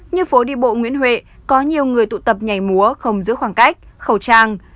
như phố đi bộ nguyễn huệ có nhiều người tụ tập nhảy múa không giữ khoảng cách khẩu trang